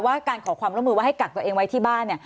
ว่าการขอความร่วมมือว่าให้กักตัวเองไว้ที่บ้านเนี่ย